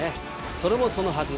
それもそのはず